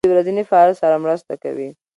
خوب د ورځني فعالیت سره مرسته کوي